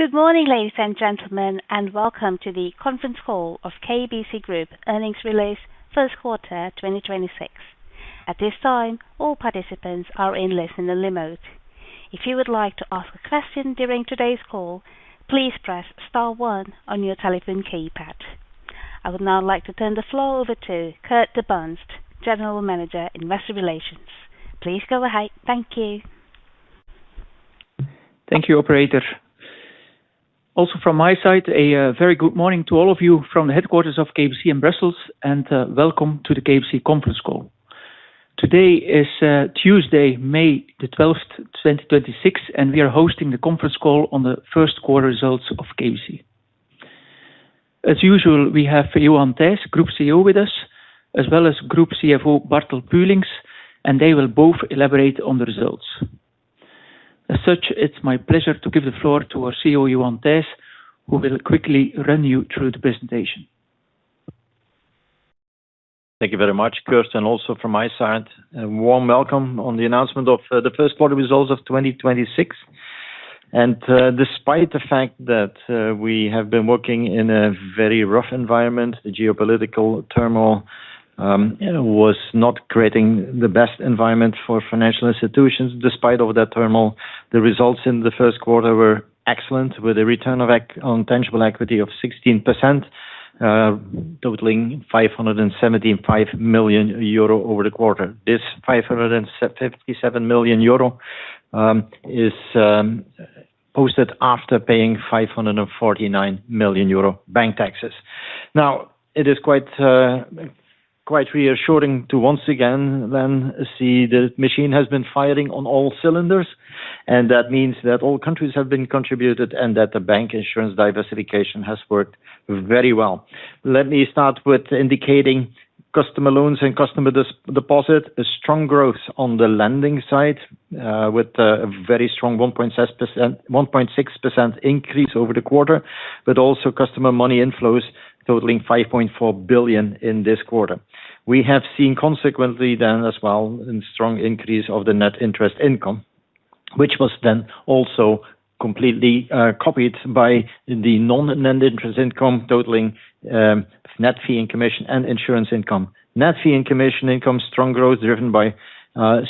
Good morning, ladies and gentlemen, welcome to the conference call of KBC Group earnings release first quarter 2026. I would now like to turn the floor over to Kurt De Baenst, General Manager, Investor Relations. Please go ahead. Thank you. Thank you, Operator. Also from my side, a very good morning to all of you from the headquarters of KBC in Brussels, and welcome to the KBC conference call. Today is Tuesday, May the 12th, 2026, and we are hosting the conference call on the first quarter results of KBC. As usual, we have Johan Thijs, Group CEO, with us, as well as Group CFO, Bartel Puelinckx, and they will both elaborate on the results. As such, it's my pleasure to give the floor to our CEO, Johan Thijs, who will quickly run you through the presentation. Thank you very much, Kurt, and also from my side, a warm welcome on the announcement of the first quarter results of 2026. Despite the fact that we have been working in a very rough environment. The geopolitical turmoil was not creating the best environment for financial institutions. Despite all that turmoil, the results in the first quarter were excellent, with a return on tangible equity of 16%, totaling 575 million euro over the quarter. This 575 million euro is posted after paying 549 million euro bank taxes. Now, it is quite reassuring to once again then see the machine has been firing on all cylinders, and that means that all countries have been contributed and that the bank insurance diversification has worked very well. Let me start with indicating customer loans and customer deposit. A strong growth on the lending side, with a very strong 1.6% increase over the quarter, but also customer money inflows totaling 5.4 billion in this quarter. We have seen consequently then as well a strong increase of the net interest income, which was then also completely copied by the non-interest income totaling net fee and commission and insurance income. Net fee and commission income, strong growth driven by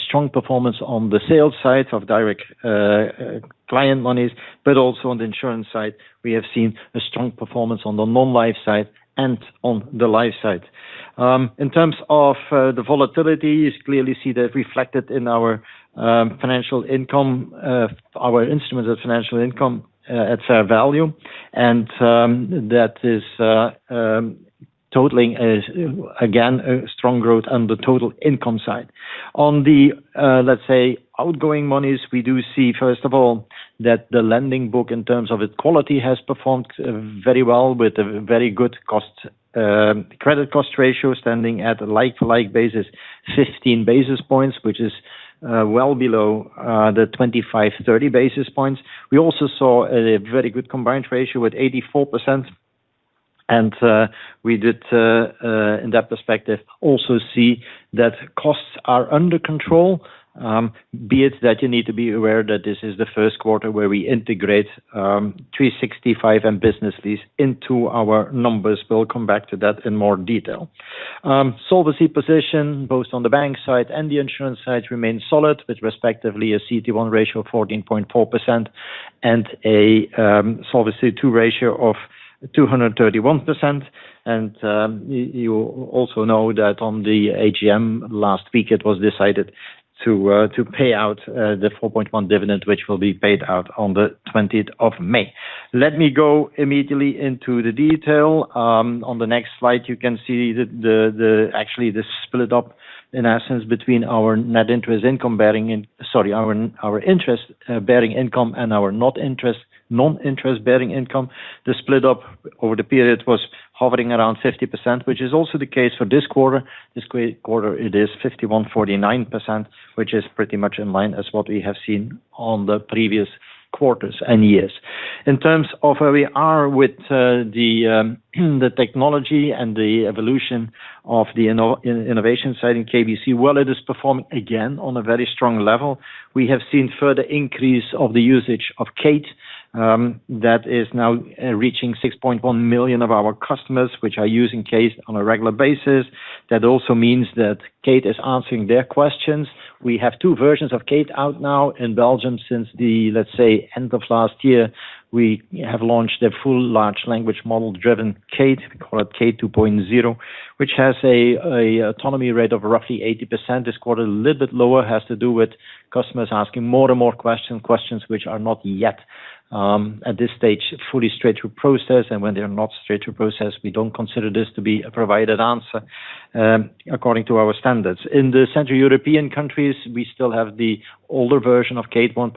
strong performance on the sales side of direct client monies, but also on the insurance side we have seen a strong performance on the non-life side and on the life side. In terms of the volatility, you clearly see that reflected in our financial income, our instruments of financial income at fair value, and that is totaling again, a strong growth on the total income side. On the let's say outgoing monies, we do see, first of all, that the lending book in terms of its quality has performed very well with a very good credit cost ratio standing at a like-to-like basis, 15 basis points, which is well below the 25 basis points-30 basis points. We also saw a very good combined ratio at 84% and we did in that perspective also see that costs are under control. Be it that you need to be aware that this is the first quarter where we integrate 365.bank and Business Lease into our numbers. We'll come back to that in more detail. Solvency position, both on the bank side and the insurance side remain solid with respectively a CET1 ratio of 14.4% and a Solvency II ratio of 231%. You also know that on the AGM last week, it was decided to pay out the 4.1 dividend which will be paid out on the 20th of May. Let me go immediately into the detail. On the next slide, you can see the actually the split up in essence between our interest bearing income and our non-interest bearing income. The split up over the period was hovering around 50%, which is also the case for this quarter. This quarter it is 51%-49%, which is pretty much in line as what we have seen on the previous quarters and years. In terms of where we are with the technology and the evolution of the innovation side in KBC, well, it is performing again on a very strong level. We have seen further increase of the usage of Kate, that is now reaching 6.1 million of our customers which are using Kate on a regular basis. That also means that Kate is answering their questions. We have two versions of Kate out now in Belgium since the, let's say, end of last year. We have launched a full large language model-driven Kate, we call it Kate 2.0, which has a autonomy rate of roughly 80%. This quarter, a little bit lower, has to do with customers asking more and more questions which are not yet, at this stage, fully straight-through processed. When they are not straight-through processed, we don't consider this to be a provided answer, according to our standards. In the Central European countries, we still have the older version of Kate 1.0.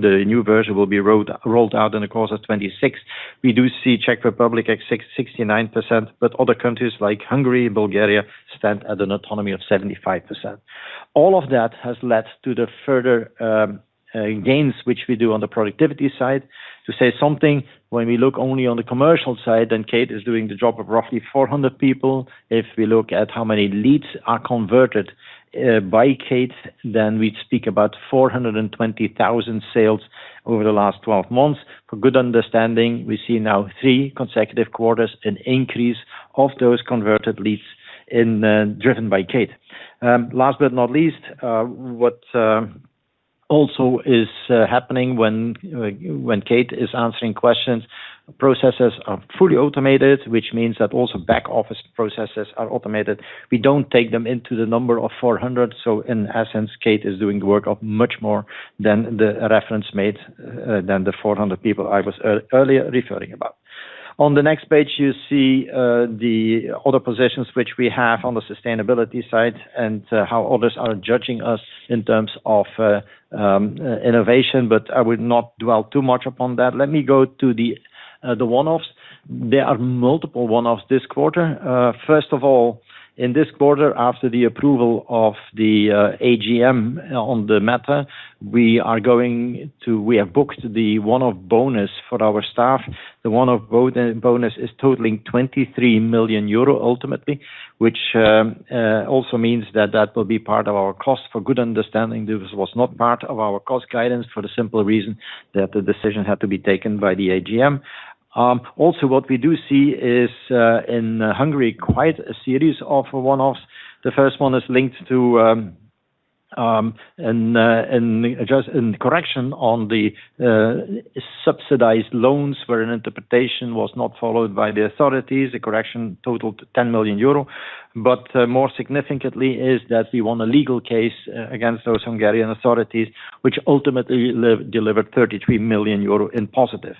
The new version will be rolled out in the course of 2026. We do see Czech Republic at 69%, but other countries like Hungary, Bulgaria stand at an autonomy of 75%. All of that has led to the further gains which we do on the productivity side. To say something, when we look only on the commercial side, then Kate is doing the job of roughly 400 people. If we look at how many leads are converted by Kate, then we'd speak about 420,000 sales over the last 12 months, for good understanding, we see now three consecutive quarters an increase of those converted leads driven by Kate. Last but not least, what also is happening when Kate is answering questions, processes are fully automated, which means that also back office processes are automated. We don't take them into the number of 400. In essence, Kate is doing the work of much more than the reference made than the 400 people I was earlier referring about. On the next page, you see the other positions which we have on the sustainability side and how others are judging us in terms of innovation, but I would not dwell too much upon that. Let me go to the one-offs. There are multiple one-offs this quarter. First of all, in this quarter, after the approval of the AGM on the matter, we have booked the one-off bonus for our staff. The one-off bonus is totaling 23 million euro ultimately, which also means that that will be part of our cost. For good understanding, this was not part of our cost guidance for the simple reason that the decision had to be taken by the AGM. Also what we do see is in Hungary, quite a series of one-offs. The first one is linked to a correction on the subsidized loans where an interpretation was not followed by the authorities. The correction totaled 10 million euro. More significantly is that we won a legal case against those Hungarian authorities, which ultimately delivered 33 million euro in positive.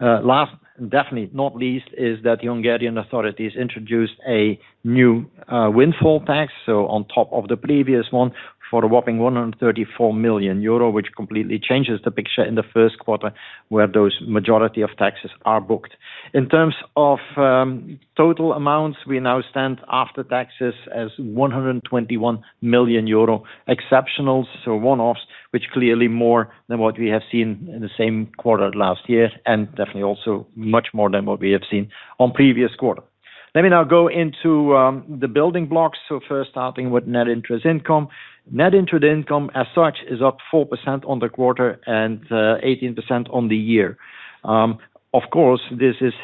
Last, definitely not least, is that the Hungarian authorities introduced a new windfall tax, so on top of the previous one, for a whopping 134 million euro, which completely changes the picture in the first quarter, where those majority of taxes are booked. In terms of total amounts, we now stand after taxes as 121 million euro exceptionals, so one-offs, which clearly more than what we have seen in the same quarter last year, and definitely also much more than what we have seen on previous quarter. Let me now go into the building blocks. First starting with Net Interest Income. Net Interest Income, as such, is up 4% on the quarter and 18% on the year. Of course, this is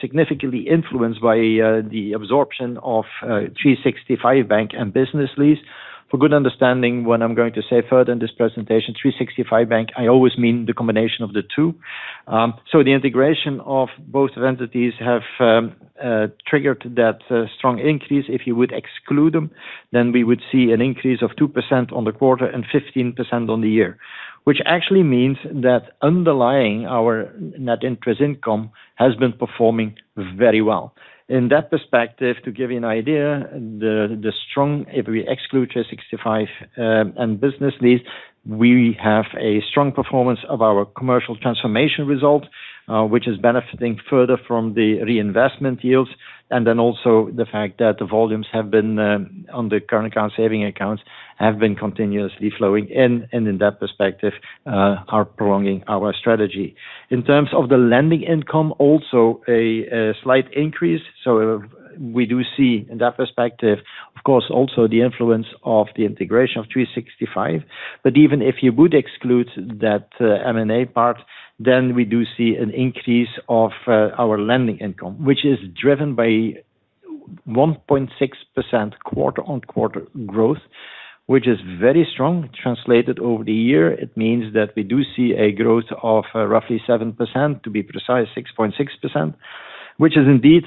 significantly influenced by the absorption of 365.bank and Business Lease. For good understanding, when I'm going to say further in this presentation, 365.bank, I always mean the combination of the two. The integration of both entities have triggered that strong increase. If you would exclude them, then we would see an increase of 2% on the quarter and 15% on the year. Which actually means that underlying our Net Interest Income has been performing very well. In that perspective, to give you an idea, the strong, if we exclude 365.bank, and Business Lease, we have a strong performance of our commercial transformation result, which is benefiting further from the reinvestment yields, and then also the fact that the volumes have been on the current account/savings account, have been continuously flowing in, and in that perspective, are prolonging our strategy. In terms of the lending income, also a slight increase. We do see in that perspective, of course, also the influence of the integration of 365.bank. Even if you would exclude that M&A part, then we do see an increase of our lending income, which is driven by 1.6% quarter-on-quarter growth, which is very strong. Translated over the year, it means that we do see a growth of roughly 7%, to be precise, 6.6%, which is indeed,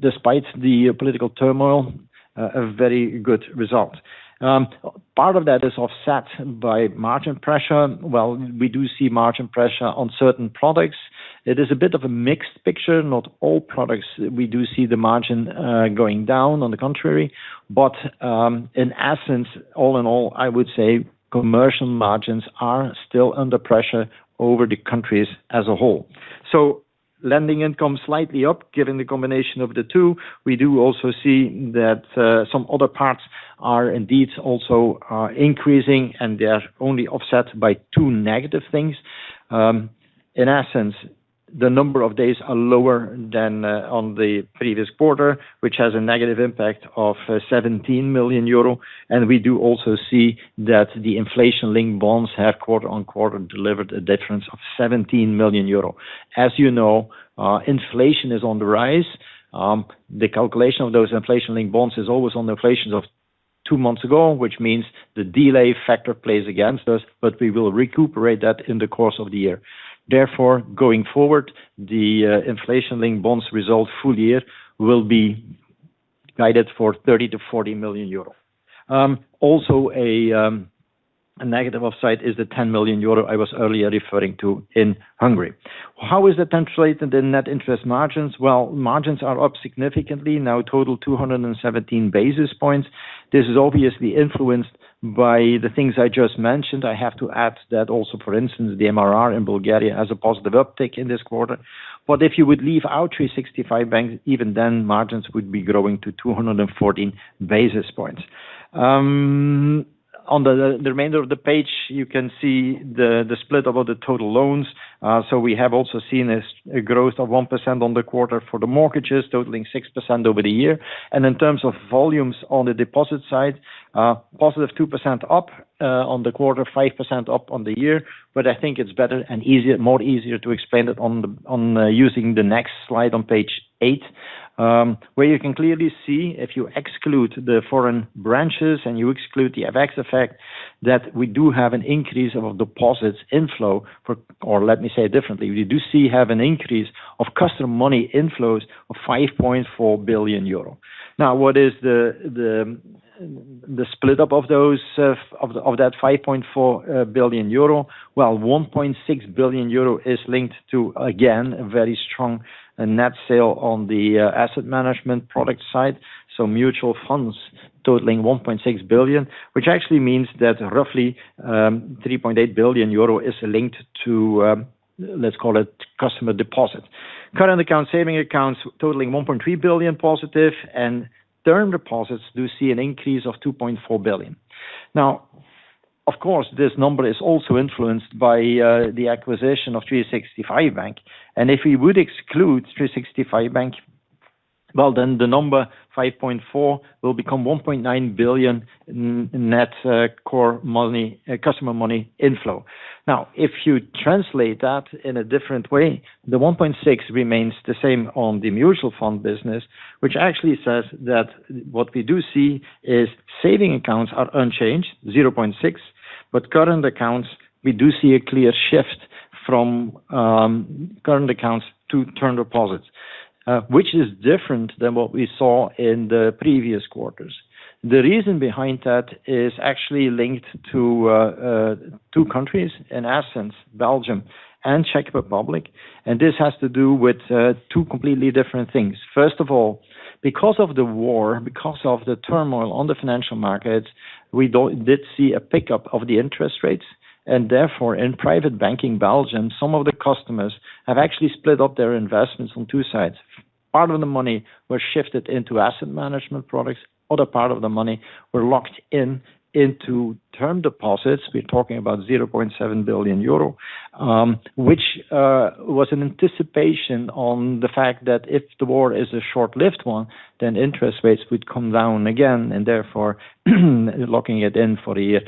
despite the political turmoil, a very good result. Part of that is offset by margin pressure. Well, we do see margin pressure on certain products. It is a bit of a mixed picture. Not all products we do see the margin going down, on the contrary. In essence, all in all, I would say commercial margins are still under pressure over the countries as a whole. Lending income slightly up, given the combination of the two. We do also see that some other parts are indeed also increasing. They are only offset by two negative things. In essence, the number of days are lower than on the previous quarter, which has a negative impact of 17 million euro. We do also see that the inflation-linked bonds have quarter-on-quarter delivered a difference of 17 million euro. As you know, inflation is on the rise. The calculation of those inflation-linked bonds is always on the inflations of two months ago, which means the delay factor plays against us. We will recuperate that in the course of the year. Therefore, going forward, the inflation-linked bonds result full year will be guided for 30 million-40 million euro. Also a negative offset is the 10 million euro I was earlier referring to in Hungary. How is that translated in net interest margins? Margins are up significantly, now a total 217 basis points. This is obviously influenced by the things I just mentioned. I have to add that also, for instance, the MRR in Bulgaria has a positive uptick in this quarter. If you would leave out 365.bank, even then margins would be growing to 214 basis points. On the remainder of the page, you can see the split of all the total loans. We have also seen this growth of 1% on the quarter for the mortgages, totaling 6% over the year. In terms of volumes on the deposit side, +2% up on the quarter, 5% up on the year. I think it's better and easier to explain it using the next slide on page eight, where you can clearly see if you exclude the foreign branches and you exclude the FX effect, that we do have an increase of deposits inflow. Or let me say it differently. We do have an increase of customer money inflows of 5.4 billion euro. What is the split up of that 5.4 billion euro? 1.6 billion euro is linked to, again, a very strong net sale on the asset management product side. Mutual funds totaling 1.6 billion, which actually means that roughly 3.8 billion euro is linked to, let's call it customer deposit. Current account/saving account totaling 1.3 billion+ and term deposits do see an increase of 2.4 billion. Of course, this number is also influenced by the acquisition of 365.bank. If we would exclude 365.bank, well, then the number 5.4 billion will become 1.9 billion net core money customer money inflow. If you translate that in a different way, the 1.6 billion remains the same on the mutual fund business, which actually says that what we do see is saving accounts are unchanged, 0.6 billion. Current accounts, we do see a clear shift from current accounts to term deposits, which is different than what we saw in the previous quarters. The reason behind that is actually linked to two countries, in essence, Belgium and Czech Republic. This has to do with two completely different things. First of all, because of the war, because of the turmoil on the financial markets, we did see a pickup of the interest rates. Therefore, in private banking Belgium, some of the customers have actually split up their investments on two sides. Part of the money was shifted into asset management products. Other part of the money were locked in into term deposits. We are talking about 0.7 billion euro, which was an anticipation on the fact that if the war is a short-lived one, then interest rates would come down again, and therefore, locking it in for a year,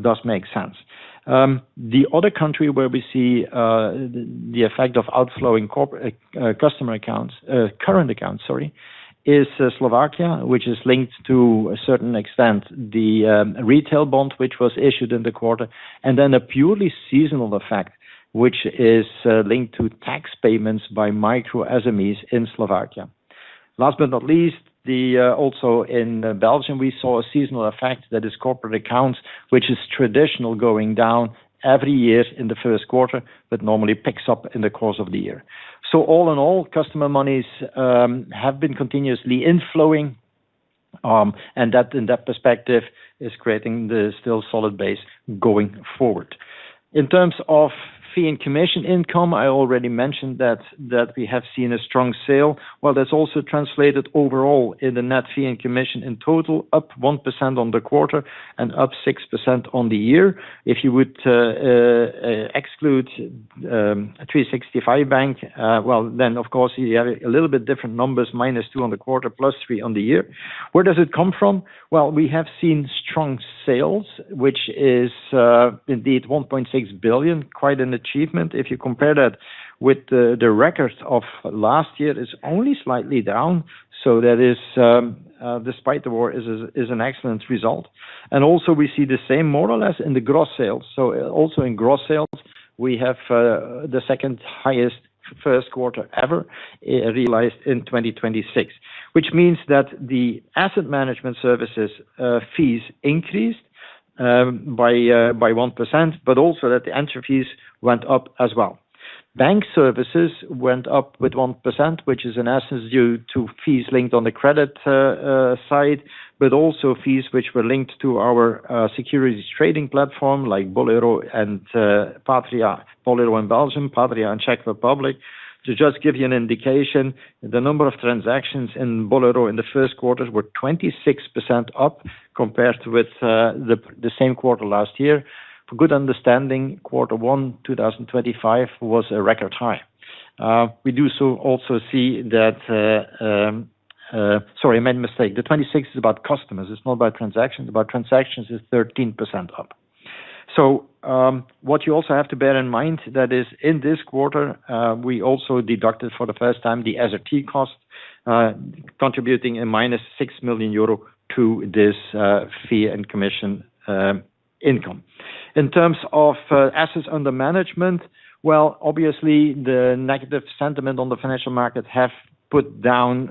does make sense. The other country where we see the effect of outflowing customer accounts, current accounts, sorry, is Slovakia, which is linked to a certain extent the retail bond which was issued in the quarter, and then a purely seasonal effect, which is linked to tax payments by micro SMEs in Slovakia. Last but not least, also in Belgium, we saw a seasonal effect that is corporate accounts, which is traditional going down every year in the first quarter, but normally picks up in the course of the year. All-in-all, customer monies have been continuously inflowing, and that, in that perspective, is creating the still solid base going forward. In terms of fee and commission income, I already mentioned that we have seen a strong sale. That's also translated overall in the net fee and commission in total, up 1% on the quarter and up 6% on the year. If you would exclude 365.bank, then, of course, you have a little bit different numbers, -2% on the quarter, +3% on the year. Where does it come from? We have seen strong sales, which is indeed 1.6 billion, quite an achievement. If you compare that with the records of last year, it's only slightly down. That is, despite the war, is an excellent result. And also we see the same more or less in the gross sales. Also in gross sales, we have the second highest first quarter ever realized in 2026. Which means that the asset management services fees increased by 1%, but also that the entry fees went up as well. Bank services went up with 1%, which is in essence due to fees linked on the credit side, but also fees which were linked to our securities trading platform like Bolero and Patria. Bolero in Belgium, Patria in Czech Republic. To just give you an indication, the number of transactions in Bolero in the first quarter were 26% up compared with the same quarter last year. For good understanding, quarter one 2025 was a record high. We do so also see that, sorry, I made a mistake. The 26% is about customers, it's not about transactions. About transactions, it's 13% up. What you also have to bear in mind that is in this quarter, we also deducted for the first time the SRT cost, contributing a -6 million euro to this fee and commission income. In terms of assets under management, well, the negative sentiment on the financial market have put down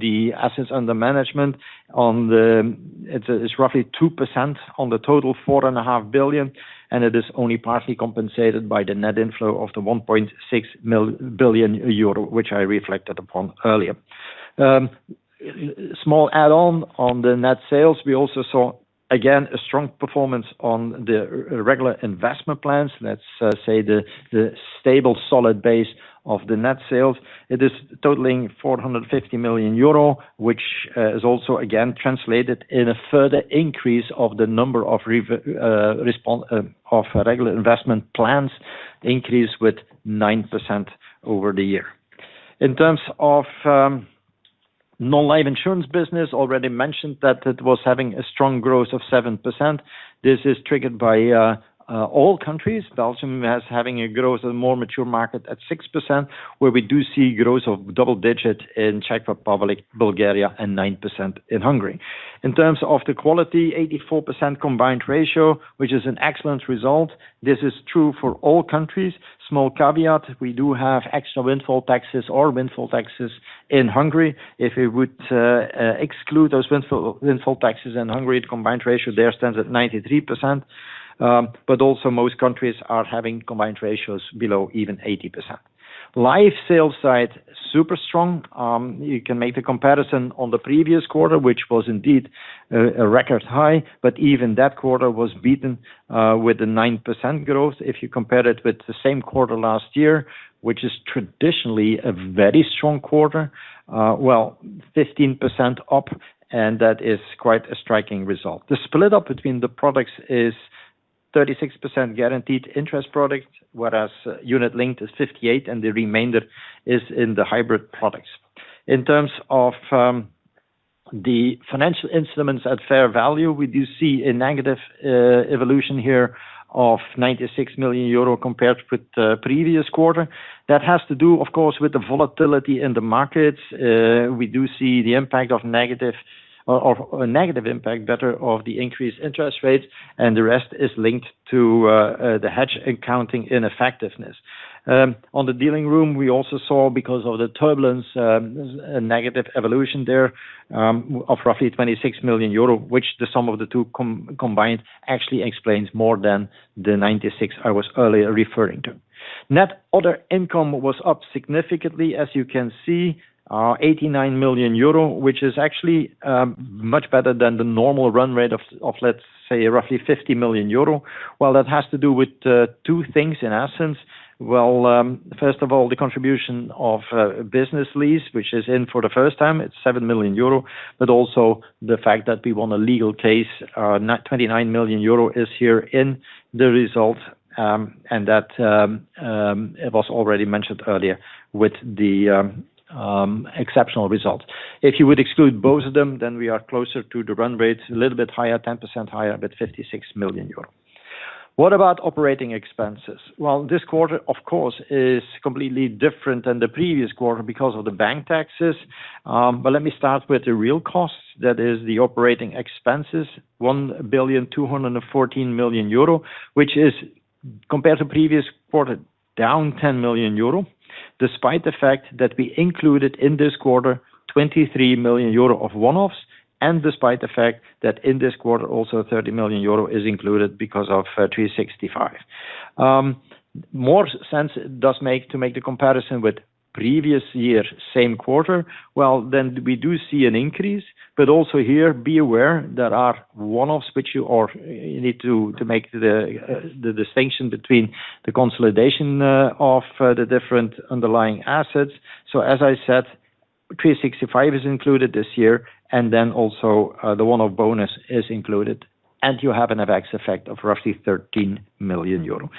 the assets under management. It's roughly 2% on the total 4.5 billion, and it is only partly compensated by the net inflow of the 1.6 billion euro, which I reflected upon earlier. Small add-on on the net sales. We also saw again a strong performance on the regular investment plans. Let's say the stable solid base of the net sales. It is totaling 450 million euro, which is also again translated in a further increase of the number of regular investment plans increase with 9% over the year. In terms of non-life insurance business already mentioned that it was having a strong growth of 7%. This is triggered by all countries. Belgium has having a growth in more mature market at 6%, where we do see growth of double digit in Czech Republic, Bulgaria, and 9% in Hungary. In terms of the quality, 84% combined ratio, which is an excellent result. This is true for all countries. Small caveat, we do have extra windfall taxes in Hungary. If we would exclude those windfall taxes in Hungary, the combined ratio there stands at 93%. Also most countries are having combined ratios below even 80%. Life sales side, super strong. You can make the comparison on the previous quarter, which was indeed a record high. Even that quarter was beaten with the 9% growth. If you compare it with the same quarter last year, which is traditionally a very strong quarter, 15% up, that is quite a striking result. The split up between the products is 36% guaranteed interest product, whereas unit linked is 58%, the remainder is in the hybrid products. In terms of the financial instruments at fair value, we do see a negative evolution here of 96 million euro compared with the previous quarter. That has to do, of course, with the volatility in the markets. We do see the negative impact better of the increased interest rates, and the rest is linked to the hedge accounting ineffectiveness. On the dealing room, we also saw, because of the turbulence, a negative evolution there, of roughly 26 million euro, which the sum of the two combined actually explains more than the 96, I was earlier referring to. Net other income was up significantly, as you can see, actually much better than the normal run rate of let's say roughly 50 million euro. Well, that has to do with two things in essence. First of all, the contribution of Business Lease, which is in for the first time, it's 7 million euro, but also the fact that we won a legal case, 29 million euro is here in the result, and that it was already mentioned earlier with the exceptional result. If you would exclude both of them, we are closer to the run rate, a little bit higher, 10% higher, 56 million euro. What about operating expenses? This quarter, of course, is completely different than the previous quarter because of the bank taxes. Let me start with the real cost, that is the operating expenses, 1.214 billion, which is compared to previous quarter, down 10 million euro, despite the fact that we included in this quarter 23 million euro of one-offs, and despite the fact that in this quarter also 30 million euro is included because of 365.bank. More sense does make to make the comparison with previous year, same quarter. Then we do see an increase, but also here, be aware there are one-offs which you need to make the distinction between the consolidation of the different underlying assets. As I said, 365.bank is included this year, also the one-off bonus is included, you have an FX effect of roughly 13 million euro.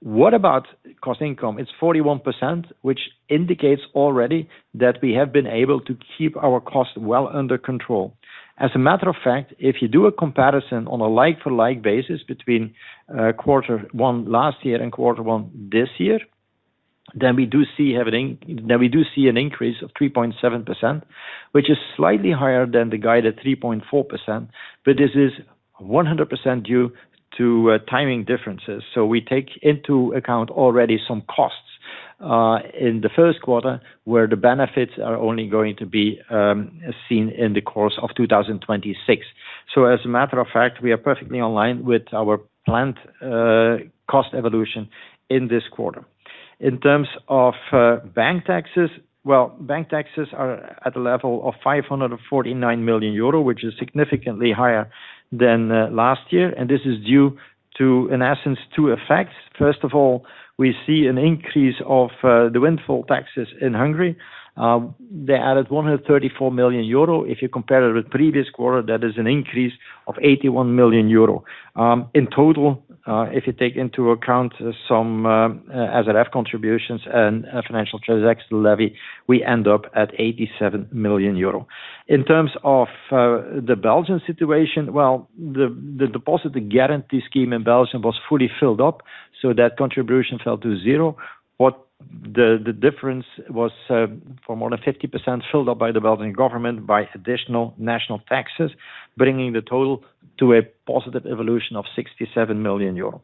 What about cost income? It's 41%, which indicates already that we have been able to keep our cost well under control. As a matter of fact, if you do a comparison on a like-for-like basis between quarter one last year and quarter one this year, then we do see an increase of 3.7%, which is slightly higher than the guided 3.4%. This is 100% due to timing differences. We take into account already some costs in the first quarter, where the benefits are only going to be seen in the course of 2026. As a matter of fact, we are perfectly aligned with our planned cost evolution in this quarter. In terms of bank taxes, well, bank taxes are at a level of 549 million euro, which is significantly higher than last year. This is due to, in essence, two effects. First of all, we see an increase of the windfall taxes in Hungary. They added 134 million euro. If you compare it with previous quarter, that is an increase of 81 million euro. In total, if you take into account some SRF contributions and financial transactions levy, we end up at 87 million euro. In terms of the Belgian situation, well, the deposit guarantee scheme in Belgium was fully filled up, so that contribution fell to zero. What the difference was, for more than 50% filled up by the Belgian government by additional national taxes, bringing the total to a positive evolution of 67 million euro.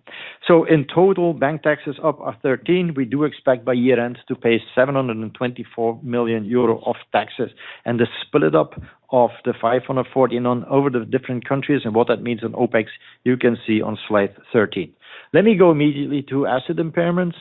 In total, bank taxes up are 13%. We do expect by year-end to pay 724 million euro of taxes. The split up of the 514 million on over the different countries and what that means on OpEx, you can see on slide 13. Let me go immediately to asset impairments.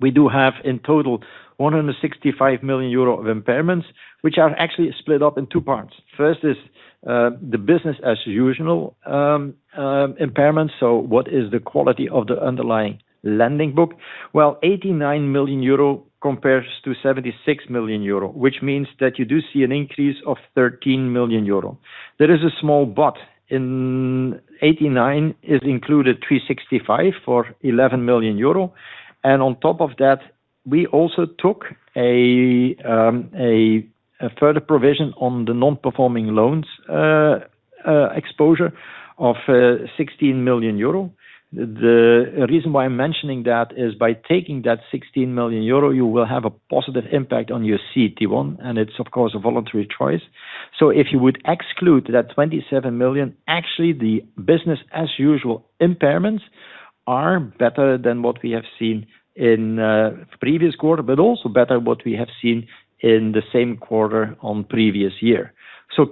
We do have in total 165 million euro of impairments, which are actually split up in two parts. First is the business as usual impairment. What is the quality of the underlying lending book? Well, 89 million euro compares to 76 million euro, which means that you do see an increase of 13 million euro. There is a small but in 89 million is included 365.bank for 11 million euro. On top of that, we also took a further provision on the non-performing loans exposure of 16 million euro. The reason why I'm mentioning that is by taking that 16 million euro you will have a positive impact on your CET1, and it's of course a voluntary choice. If you would exclude that 27 million, actually the business as usual impairments are better than what we have seen in previous quarter, but also better what we have seen in the same quarter on previous year.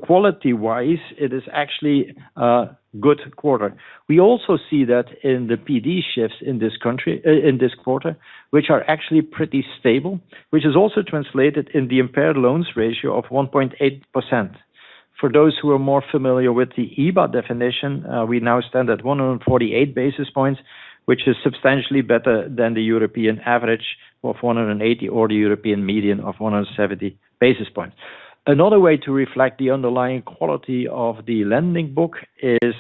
Quality-wise, it is actually a good quarter. We also see that in the PD shifts in this quarter, which are actually pretty stable, which is also translated in the impaired loans ratio of 1.8%. For those who are more familiar with the EBA definition, we now stand at 148 basis points, which is substantially better than the European average of 180 basis points or the European median of 170 basis points. Another way to reflect the underlying quality of the lending book is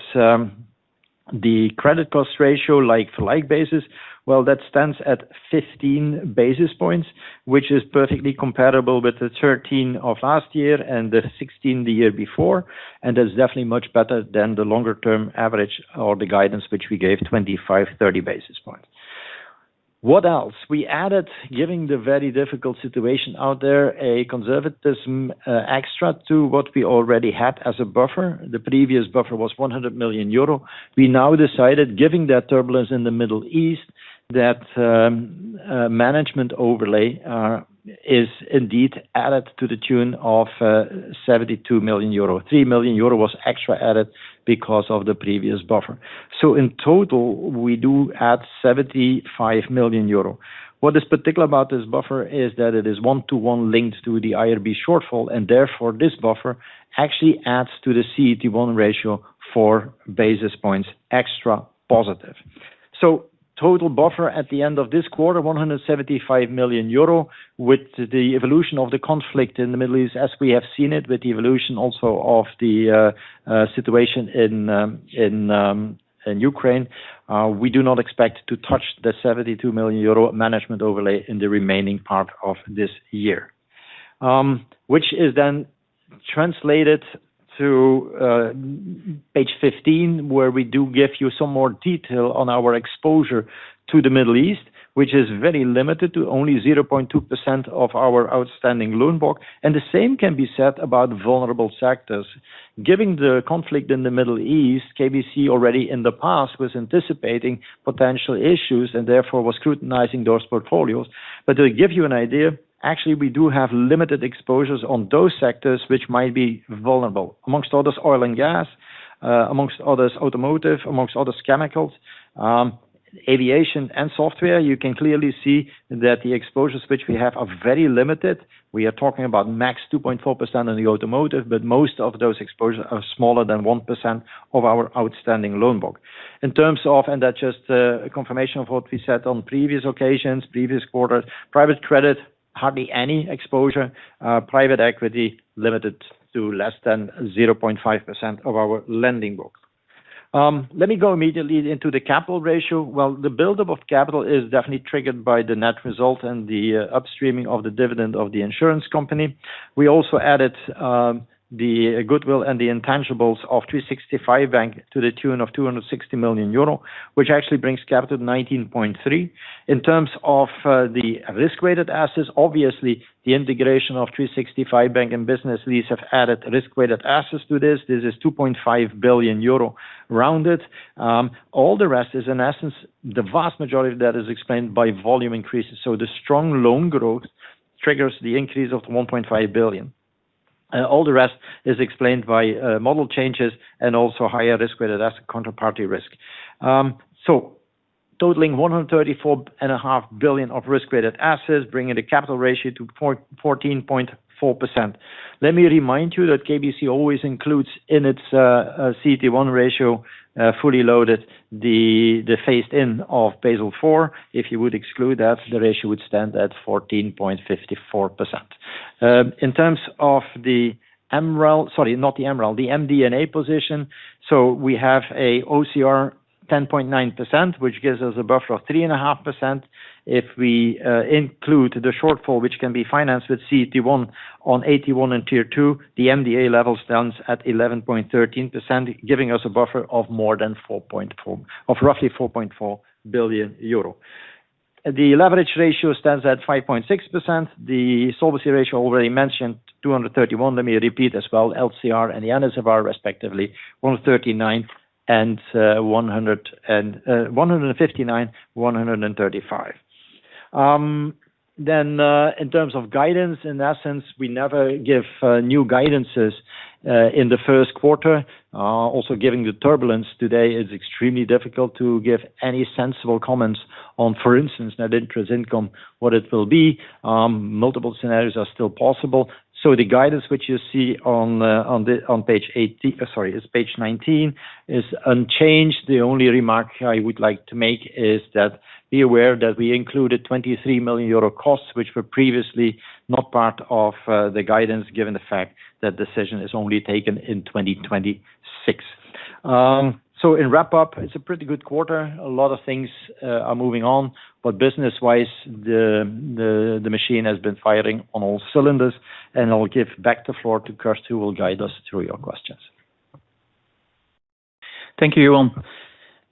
the credit cost ratio like, for like basis, well, that stands at 15 basis points, which is perfectly comparable with the 13 basis points of last year and the 16 basis points the year before, and is definitely much better than the longer term average or the guidance which we gave 25 basis points-30 basis points. What else? We added, giving the very difficult situation out there, a conservatism, extra to what we already had as a buffer. The previous buffer was 100 million euro. We now decided, giving that turbulence in the Middle East, that management overlay is indeed added to the tune of 72 million euro. 3 million euro was extra added because of the previous buffer. In total, we do add 75 million euro. What is particular about this buffer is that it is one-to-one linked to the IRB shortfall, and therefore, this buffer actually adds to the CET1 ratio 4 basis points extra+. Total buffer at the end of this quarter, 175 million euro with the evolution of the conflict in the Middle East as we have seen it, with the evolution also of the situation in Ukraine. We do not expect to touch the 72 million euro management overlay in the remaining part of this year. Which is then translated to page 15, where we do give you some more detail on our exposure to the Middle East, which is very limited to only 0.2% of our outstanding loan book. The same can be said about vulnerable sectors. Given the conflict in the Middle East, KBC already in the past was anticipating potential issues and therefore was scrutinizing those portfolios. To give you an idea, we do have limited exposures on those sectors which might be vulnerable. Amongst others, oil and gas, amongst others, automotive, amongst others, chemicals, aviation and software. You can clearly see that the exposures which we have are very limited. We are talking about max 2.4% on the automotive, but most of those exposures are smaller than 1% of our outstanding loan book. In terms of, and that's just a confirmation of what we said on previous occasions, previous quarters, private credit, hardly any exposure, private equity limited to less than 0.5% of our lending book. Let me go immediately into the capital ratio. Well, the buildup of capital is definitely triggered by the net result and the upstreaming of the dividend of the insurance company. We also added the goodwill and the intangibles of 365.bank to the tune of 260 million euro, which actually brings capital to 19.3. In terms of the risk-weighted assets, obviously, the integration of 365.bank and Business Lease have added risk-weighted assets to this. This is 2.5 billion euro rounded. All the rest is in essence, the vast majority of that is explained by volume increases. The strong loan growth triggers the increase of 1.5 billion. All the rest is explained by model changes and also higher risk-weighted asset counterparty risk. Totaling 134.5 billion of risk-weighted assets, bringing the capital ratio to 14.4%. Let me remind you that KBC always includes in its CET1 ratio fully loaded the phased-in of Basel IV. If you would exclude that, the ratio would stand at 14.54%. In terms of the MDA position. We have a OCR 10.9%, which gives us a buffer of 3.5%. If we include the shortfall, which can be financed with CET1 on AT1 and Tier 2, the MDA level stands at 11.13%, giving us a buffer of more than roughly 4.4 billion euro. The leverage ratio stands at 5.6%. The Solvency ratio already mentioned 231. Let me repeat, LCR and the NSFR respectively, 159 and 135. In terms of guidance, in essence, we never give new guidances in the first quarter. Also giving the turbulence today is extremely difficult to give any sensible comments on, for instance, net interest income, what it will be. Multiple scenarios are still possible. The guidance which you see on page 19, is unchanged. The only remark I would like to make is that be aware that we included 23 million euro costs, which were previously not part of the guidance given the fact that decision is only taken in 2026. In wrap up, it's a pretty good quarter. A lot of things are moving on, but business-wise, the machine has been firing on all cylinders. I'll give back the floor to Kurt who will guide us through your questions. Thank you, everyone.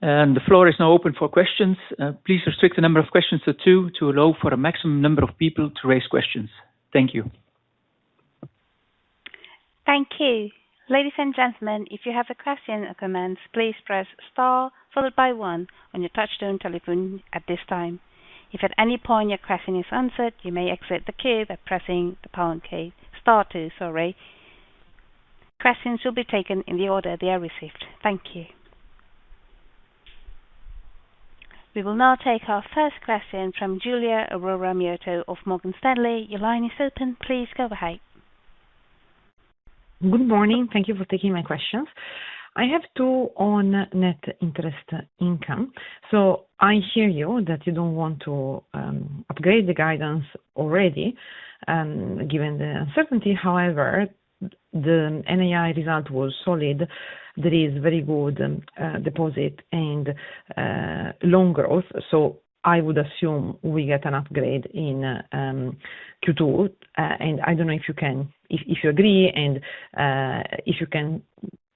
The floor is now open for questions. Please restrict the number of questions to two. To allow for a maximum number of people to raise questions. Thank you. Thank you. Ladies and gentlemen if you have a question or comments, please press star followed by one on your touchtone telephone at this time. If at any point your question is answered, you may exit the queue by pressing the star key. Questions will be taken in the order they are received. Thank you. We will now take our first question from Giulia Aurora Miotto of Morgan Stanley. Your line is open. Please go ahead. Good morning. Thank you for taking my questions. I have two on Net Interest Income. I hear you that you don't want to upgrade the guidance already given the uncertainty. However, the NII result was solid. There is very good deposit and loan growth. I would assume we get an upgrade in Q2. I don't know if you agree and if you can,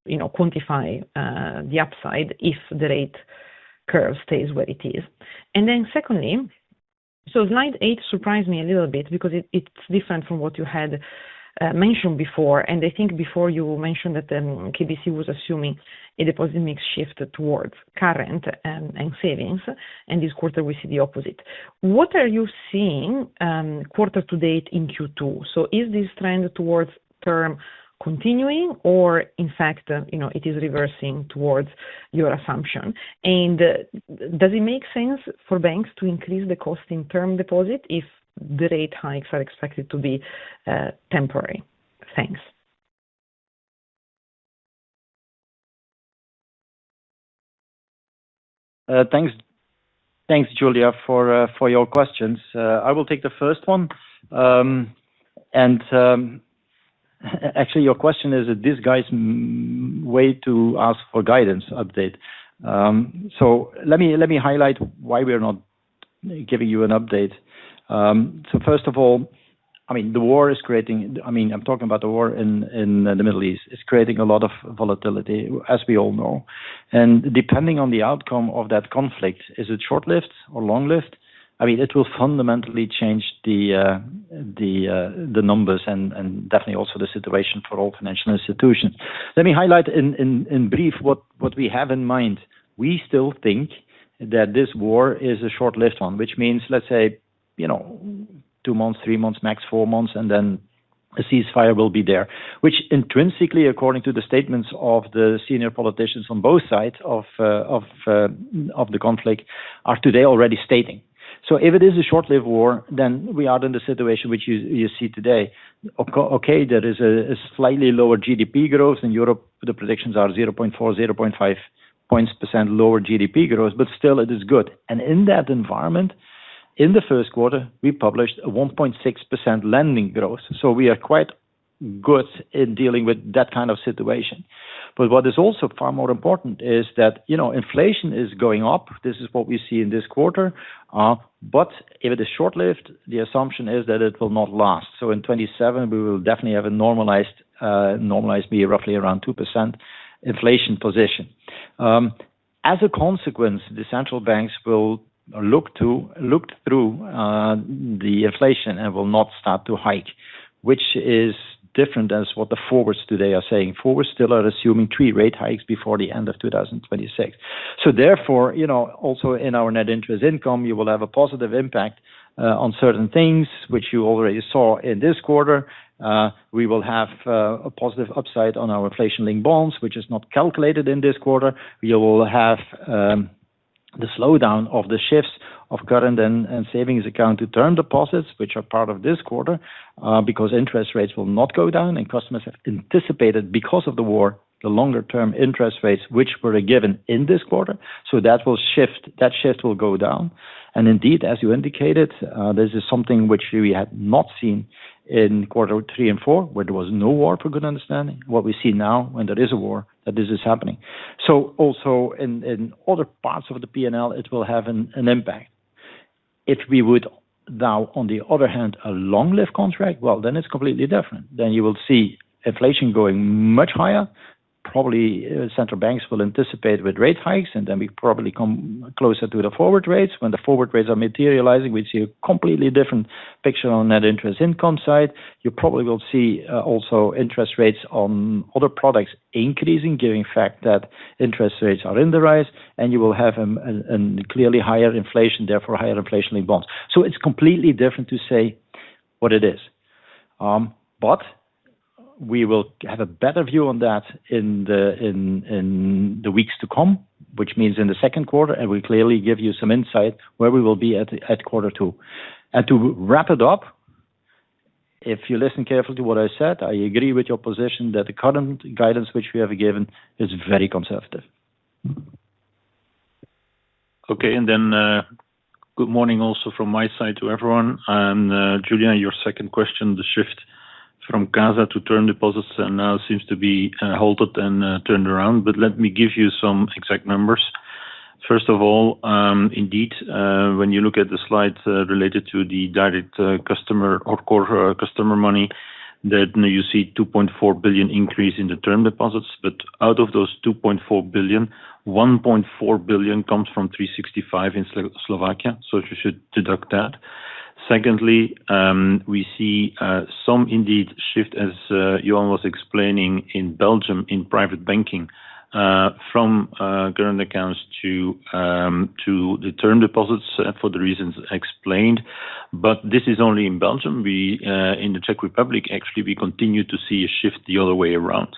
you know, quantify the upside if the rate curve stays where it is. Secondly, slide eight surprised me a little bit because it's different from what you had mentioned before. I think before you mentioned that KBC was assuming a deposit mix shift towards current and savings, and this quarter we see the opposite. What are you seeing, quarter-to-date in Q2? Is this trend towards term continuing, or in fact, you know, it is reversing towards your assumption? Does it make sense for banks to increase the cost in term deposit if the rate hikes are expected to be temporary? Thanks. Thanks, Giulia, for your questions. I will take the first one. Actually, your question is a disguised way to ask for guidance update. Let me highlight why we're not giving you an update. First of all, I mean, the war is creating, I mean, I'm talking about the war in the Middle East. It's creating a lot of volatility, as we all know. Depending on the outcome of that conflict, is it short-lived or long-lived? I mean, it will fundamentally change the numbers and definitely also the situation for all financial institutions. Let me highlight in brief what we have in mind. We still think that this war is a short-lived one, which means, let's say, you know, two months, three months, max four months, and then a ceasefire will be there, which intrinsically, according to the statements of the senior politicians on both sides of the conflict are today already stating. If it is a short-lived war, then we are in the situation which you see today. Okay, there is a slightly lower GDP growth. In Europe, the predictions are 0.4 percentage points, 0.5 percentage points lower GDP growth, but still it is good. In that environment, in the first quarter, we published a 1.6% lending growth. We are quite good in dealing with that kind of situation. What is also far more important is that, you know, inflation is going up. This is what we see in this quarter. If it is short-lived, the assumption is that it will not last. In 2027, we will definitely have a normalized be roughly around 2% inflation position. As a consequence, the central banks will look through the inflation and will not start to hike, which is different as what the forwards today are saying. Forwards still are assuming three rate hikes before the end of 2026. Therefore, you know, also in our Net Interest Income, you will have a positive impact on certain things which you already saw in this quarter. We will have a positive upside on our inflation-linked bonds, which is not calculated in this quarter. We will have the slowdown of the shifts of current and savings account to term deposits, which are part of this quarter because interest rates will not go down and customers have anticipated because of the war, the longer term interest rates, which were given in this quarter. That will shift. That shift will go down. Indeed, as you indicated, this is something which we had not seen in quarter three and four, where there was no war for good understanding. What we see now, when there is a war, that this is happening. Also in other parts of the P&L, it will have an impact. If we would now, on the other hand, a long live contract, well, then it's completely different. You will see inflation going much higher. Probably central banks will anticipate with rate hikes, and then we probably come closer to the forward rates. When the forward rates are materializing, we see a completely different picture on Net Interest Income side. You probably will see also interest rates on other products increasing, given the fact that interest rates are in the rise, and you will have a clearly higher inflation, therefore higher inflation in bonds. It's completely different to say what it is. We will have a better view on that in the weeks to come, which means in the second quarter, and we'll clearly give you some insight where we will be at quarter two. To wrap it up, if you listen carefully to what I said, I agree with your position that the current guidance which we have given is very conservative. Okay. Good morning also from my side to everyone. Giulia, your second question, the shift from CASA to term deposits now seems to be halted and turned around. Let me give you some exact numbers. First of all, indeed, when you look at the slides, related to the direct customer or core customer money, then you see 2.4 billion increase in the term deposits. Out of those 2.4 billion, 1.4 billion comes from 365 in Slovakia, so you should deduct that. Secondly, we see some indeed shift, as Johan was explaining in Belgium, in private banking, from current accounts to the term deposits, for the reasons explained. This is only in Belgium. We in the Czech Republic, actually, we continue to see a shift the other way around.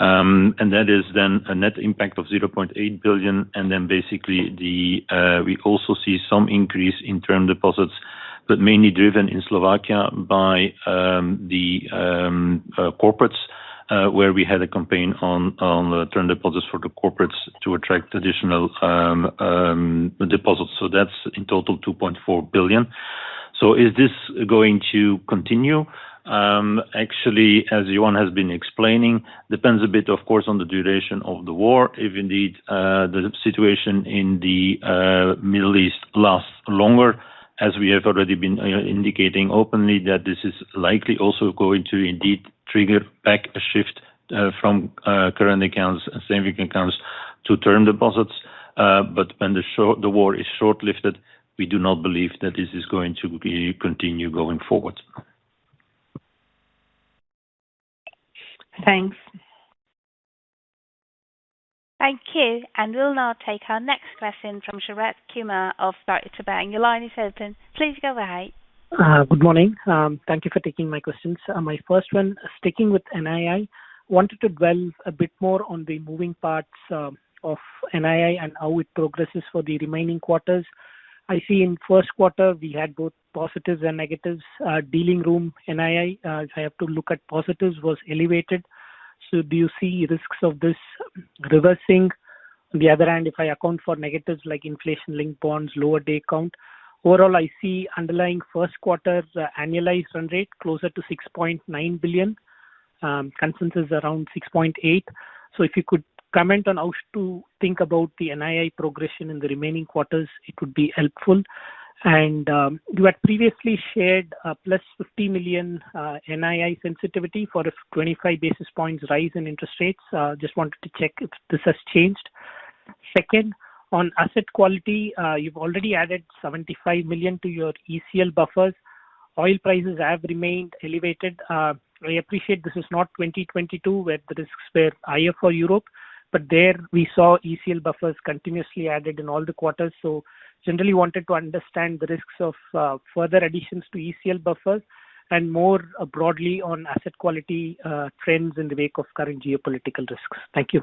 That is then a net impact of 0.8 billion. Then basically, we also see some increase in term deposits, but mainly driven in Slovakia by the corporates, where we had a campaign on term deposits for the corporates to attract additional deposits. That's in total 2.4 billion. Is this going to continue? Actually, as Johan has been explaining, depends a bit, of course, on the duration of the war. If indeed, the situation in the Middle East lasts longer, as we have already been indicating openly that this is likely also going to indeed trigger back a shift from current accounts and saving accounts to term deposits. When the war is short-lived, we do not believe that this is going to be continue going forward. Thanks. Thank you. We'll now take our next question from Sharath Kumar of Deutsche Bank. Your line is open. Please go ahead. Good morning. Thank you for taking my questions. My first one, sticking with NII, wanted to dwell a bit more on the moving parts of NII and how it progresses for the remaining quarters. I see in first quarter, we had both positives and negatives. Dealing room NII, if I have to look at positives, was elevated. Do you see risks of this reversing? On the other hand, if I account for negatives like inflation-linked bonds, lower day count, overall, I see underlying first quarter's annualized run rate closer to 6.9 billion. Consensus is around 6.8. If you could comment on how to think about the NII progression in the remaining quarters, it would be helpful. You had previously shared a +50 million NII sensitivity for a 25 basis points rise in interest rates. Just wanted to check if this has changed. Second, on asset quality, you've already added 75 million to your ECL buffers. Oil prices have remained elevated. I appreciate this is not 2022, where the risks were higher for Europe, but there we saw ECL buffers continuously added in all the quarters. Generally wanted to understand the risks of further additions to ECL buffers and more broadly on asset quality trends in the wake of current geopolitical risks? Thank you.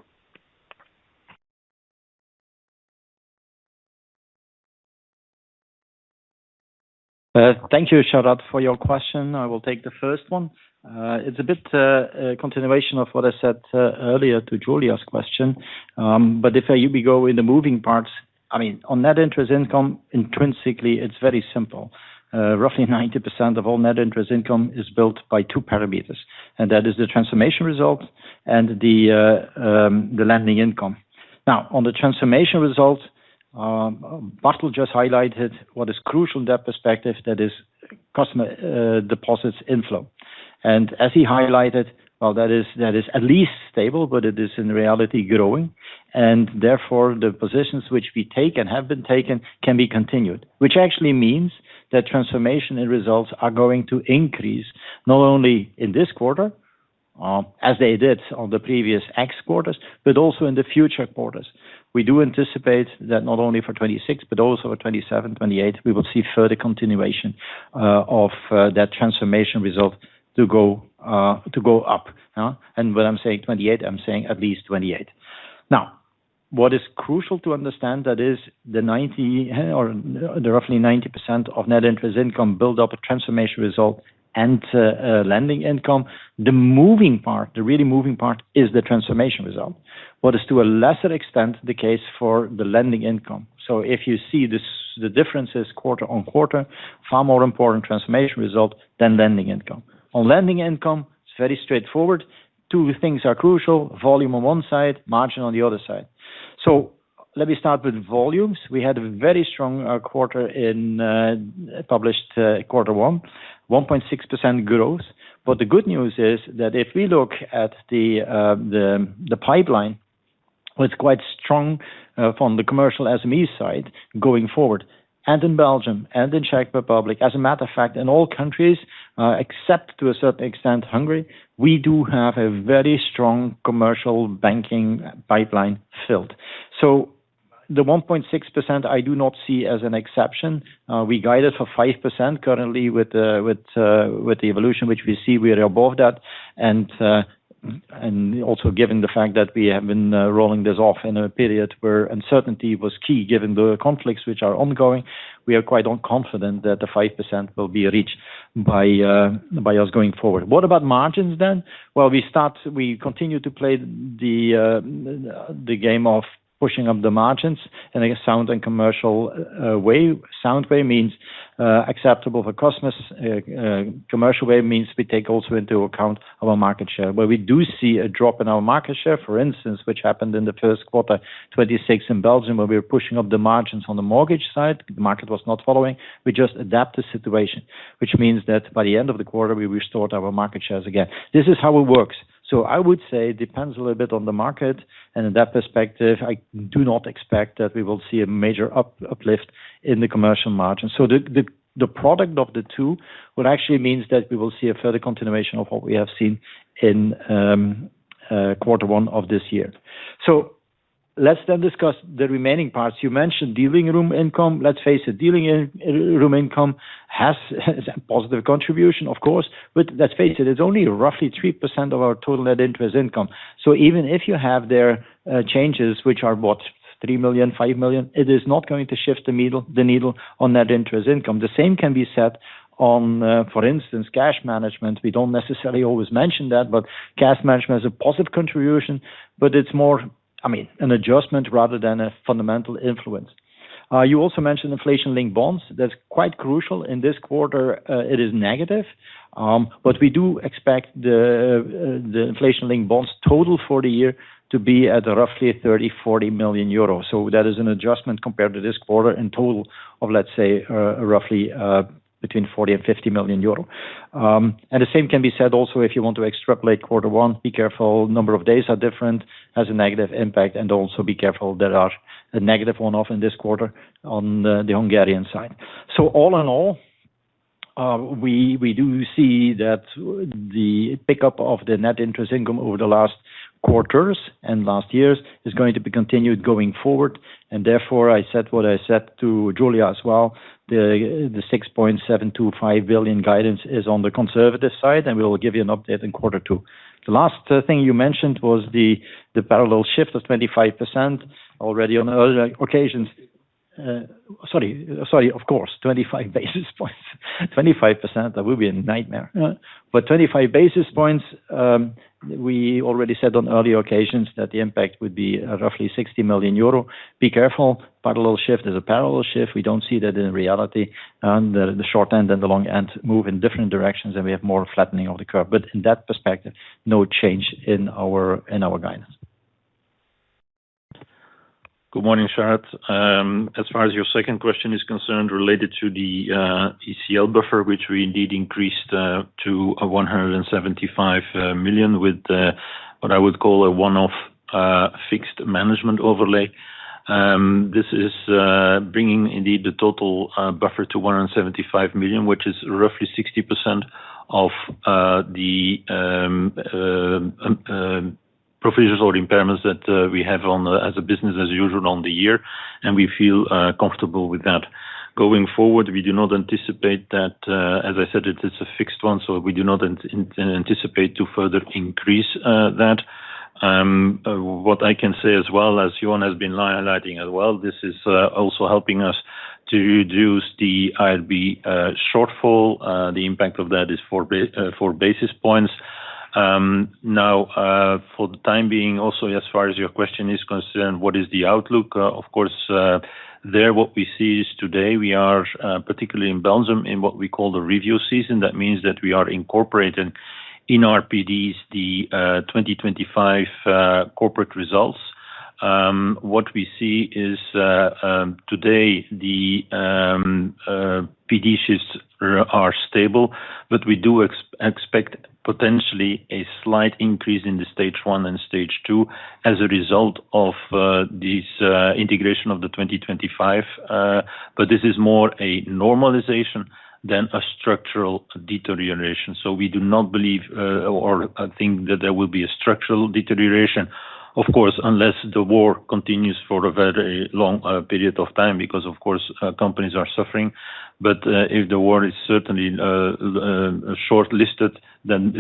Thank you, Sharath, for your question. I will take the first one. It's a bit, continuation of what I said earlier to Giulia's question. If you go in the moving parts, I mean, on Net Interest Income, intrinsically, it's very simple. Roughly 90% of all Net Interest Income is built by two parameters, and that is the transformation result and the lending income. Now, on the transformation results, Bartel just highlighted what is crucial in that perspective, that is customer deposits inflow. As he highlighted, well, that is at least stable, but it is in reality growing. Therefore, the positions which we take and have been taken can be continued, which actually means that transformation end results are going to increase not only in this quarter, as they did on the previous X quarters, but also in the future quarters. We do anticipate that not only for 2026 but also for 2027, 2028, we will see further continuation of that transformation result to go to go up. When I'm saying 2028, I'm saying at least 2028. What is crucial to understand that is the 90% or the roughly 90% of Net Interest Income build up a transformation result and lending income. The moving part, the really moving part is the transformation result. What is to a lesser extent the case for the lending income. If you see this, the difference is quarter-on-quarter, far more important transformation result than lending income. On lending income, it's very straightforward. Two things are crucial, volume on one side, margin on the other side. Let me start with volumes. We had a very strong quarter in published quarter one, 1.6% growth. The good news is that if we look at the pipeline, it's quite strong from the commercial SME side going forward, and in Belgium and in Czech Republic. As a matter of fact, in all countries, except to a certain extent, Hungary, we do have a very strong commercial banking pipeline filled. The 1.6%, I do not see as an exception. We guided for 5% currently with the evolution, which we see we are above that. Also given the fact that we have been rolling this off in a period where uncertainty was key, given the conflicts which are ongoing. We are quite confident that the 5% will be reached by us going forward. What about margins then? Well, we continue to play the game of pushing up the margins in a sound and commercial way. Sound way means acceptable for customers. Commercial way means we take also into account our market share. Where we do see a drop in our market share, for instance, which happened in the first quarter, 2026 in Belgium, where we are pushing up the margins on the mortgage side, the market was not following. We just adapt the situation, which means that by the end of the quarter, we restored our market shares again. This is how it works. I would say depends a little bit on the market and in that perspective, I do not expect that we will see a major uplift in the commercial margin. The product of the two, what actually means that we will see a further continuation of what we have seen in quarter one of this year. Let's then discuss the remaining parts. You mentioned dealing room income. Let's face it, dealing room income has a positive contribution, of course. Let's face it's only roughly 3% of our total Net Interest Income. Even if you have there changes which are, what, 3 million, 5 million, it is not going to shift the needle on Net Interest Income. The same can be said on, for instance, cash management. We don't necessarily always mention that, but cash management is a positive contribution, but it's more, I mean, an adjustment rather than a fundamental influence. You also mentioned inflation-linked bonds. That is quite crucial. In this quarter, it is negative. But we do expect the inflation-linked bonds total for the year to be at roughly 30 million-40 million euros. That is an adjustment compared to this quarter in total of, let's say, roughly between 40 million and 50 million euro. The same can be said also, if you want to extrapolate quarter one, be careful, number of days are different, has a negative impact, and also be careful there is a negative one-off in this quarter on the Hungarian side. All-in-all, we do see that the pickup of the Net Interest Income over the last quarters and last years is going to be continued going forward. Therefore, I said what I said to Giulia as well. The 6.725 billion guidance is on the conservative side, and we will give you an update in quarter two. The last thing you mentioned was the parallel shift of 25% already on earlier occasions. Sorry. Of course, 25 basis points. 25%, that would be a nightmare. 25 basis points, we already said on earlier occasions that the impact would be roughly 60 million euro. Be careful, parallel shift is a parallel shift. We don't see that in reality. The, the short end and the long end move in different directions, and we have more flattening of the curve. In that perspective, no change in our, in our guidance. Good morning, Sharath. As far as your second question is concerned related to the ECL buffer, which we indeed increased to a 175 million with what I would call a one-off fixed management overlay. This is bringing indeed the total buffer to 175 million, which is roughly 60% of the provisions or impairments that we have as a business as usual on the year, and we feel comfortable with that. Going forward, we do not anticipate that, as I said, it is a fixed one. We do not anticipate to further increase that. What I can say as well as Johan has been highlighting as well, this is also helping us to reduce the IRB shortfall. The impact of that is four basis points. Now, for the time being, also, as far as your question is concerned, what is the outlook? Of course, there, what we see is today we are particularly in Belgium, in what we call the review season. That means that we are incorporating in our PDs the 2025 corporate results. What we see is today the PD shifts are stable, but we do expect potentially a slight increase in the Stage 1 and Stage 2 as a result of this integration of the 2025. This is more a normalization than a structural deterioration. We do not believe or think that there will be a structural deterioration. Of course, unless the war continues for a very long period of time because, of course, companies are suffering. If the war is certainly short-lived, I should say, then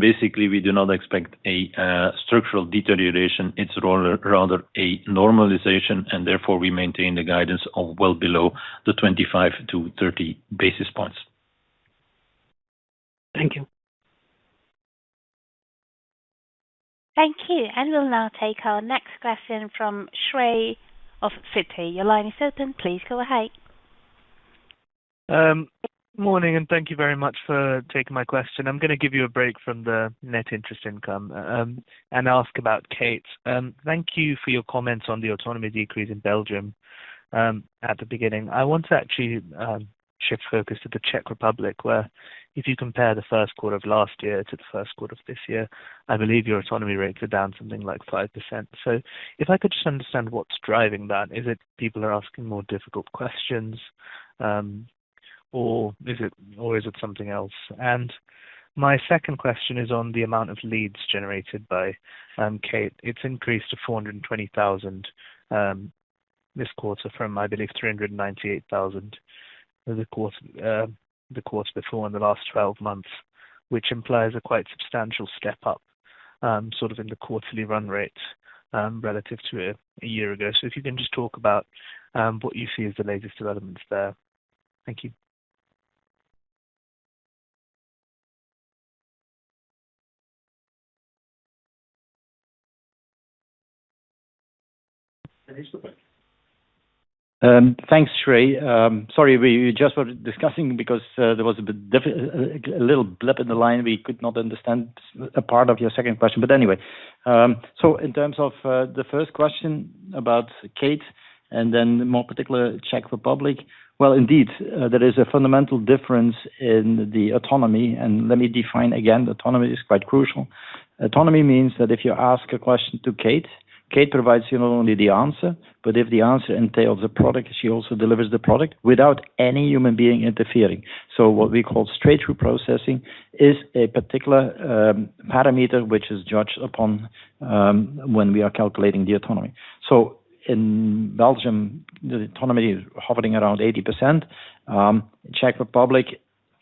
basically, we do not expect a structural deterioration. It's rather a normalization. Therefore we maintain the guidance of well below the 25 basis points-30 basis points. Thank you. Thank you. We'll now take our next question from Shrey Srivastava of Citi. Your line is open. Please go ahead. Morning, thank you very much for taking my question. I'm gonna give you a break from the Net Interest Income, and ask about Kate. Thank you for your comments on the autonomy decrease in Belgium at the beginning. I want to actually shift focus to the Czech Republic, where if you compare the first quarter of last year to the first quarter of this year, I believe your autonomy rates are down something like 5%. If I could just understand what's driving that. Is it people are asking more difficult questions, or is it something else? My second question is on the amount of leads generated by Kate. It's increased to 420,000 this quarter from, I believe, 398,000 the quarter before in the last 12 months, which implies a quite substantial step up. Sort of in the quarterly run rate, relative to a year ago. If you can just talk about what you see as the latest developments there? Thank you. Thanks, Shrey. Sorry, we just were discussing because there was a little blip in the line. We could not understand a part of your second question. In terms of the first question about Kate and then more particular Czech Republic, well, indeed, there is a fundamental difference in the autonomy, and let me define again, autonomy is quite crucial. Autonomy means that if you ask a question to Kate provides you not only the answer, but if the answer entails a product, she also delivers the product without any human being interfering. What we call straight-through processing is a particular parameter which is judged upon when we are calculating the autonomy. In Belgium, the autonomy is hovering around 80%. Czech Republic,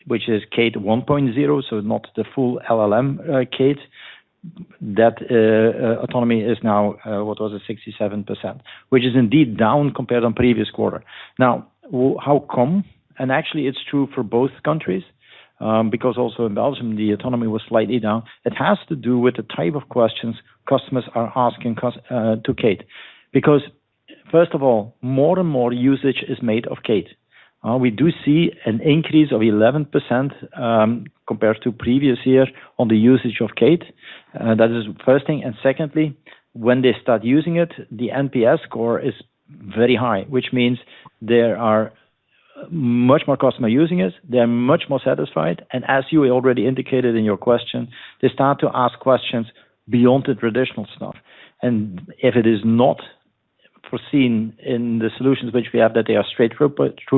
which is Kate 1.0, so not the full LLM, Kate, that autonomy is now, what was it? 67%, which is indeed down compared on previous quarter. Now, how come? Actually, it's true for both countries, because also in Belgium, the autonomy was slightly down. It has to do with the type of questions customers are asking to Kate. Because first of all, more and more usage is made of Kate. We do see an increase of 11%, compared to previous year on the usage of Kate. That is first thing. Secondly, when they start using it, the NPS score is very high, which means there are much more customer using it, they're much more satisfied, and as you already indicated in your question, they start to ask questions beyond the traditional stuff. If it is not foreseen in the solutions which we have that they are straight-through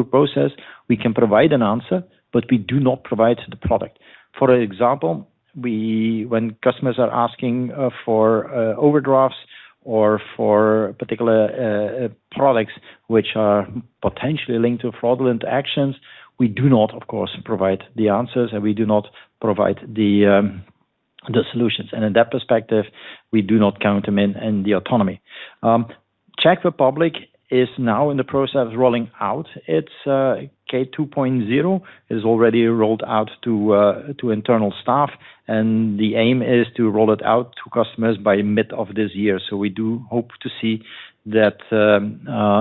process, we can provide an answer, but we do not provide the product. For example, when customers are asking for overdrafts or for particular products which are potentially linked to fraudulent actions. We do not, of course, provide the answers, and we do not provide the solutions. In that perspective, we do not count them in the autonomy. Czech Republic is now in the process of rolling out its Kate 2.0. It is already rolled out to internal staff, and the aim is to roll it out to customers by mid of this year. We do hope to see that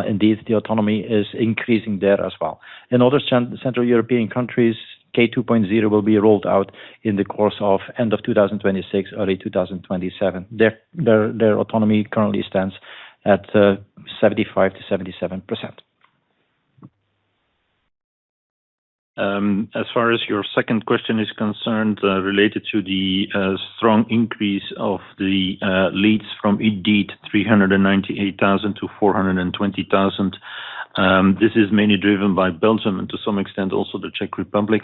indeed the autonomy is increasing there as well. In other Central European countries, Kate 2.0 will be rolled out in the course of end of 2026, early 2027. Their autonomy currently stands at 75%-77%. As far as your second question is concerned, related to the strong increase of the leads from indeed 398,000-420,000, this is mainly driven by Belgium and to some extent also the Czech Republic.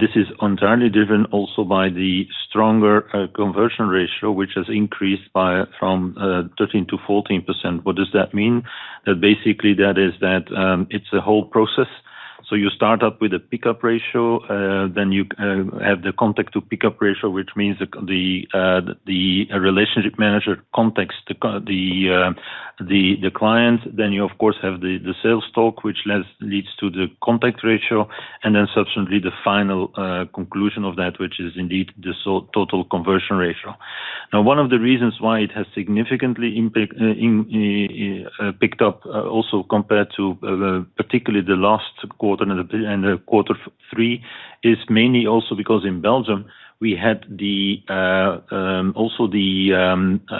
This is entirely driven also by the stronger conversion ratio, which has increased from 13%-14%. What does that mean? That basically that is that it's a whole process. You start up with a pickup ratio, then you have the contact to pickup ratio, which means the relationship manager contacts the client. Then you of course, have the sales talk, which leads to the contact ratio, and then subsequently the final conclusion of that, which is indeed the total conversion ratio. One of the reasons why it has significantly picked up, also compared to particularly the last quarter and the quarter three, is mainly also because in Belgium we had the